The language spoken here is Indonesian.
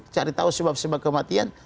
cari tahu sebab sebab kematian